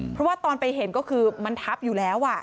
เพราะว่าตอนไปเห็นก็คือมันทับอยู่แล้ว